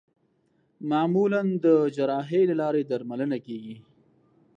معمولا د جراحۍ له لارې درملنه کېږي.